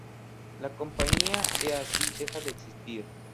La Compañía Easy deja de existir.